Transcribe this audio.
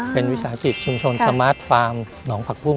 เป็นวิสาหกิจชุมชนสมาร์ทฟาร์มหนองผักกุ้